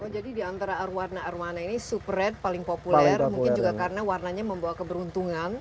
jadi di antara arowana arowana ini super red paling populer mungkin juga karena warnanya membawa keberuntungan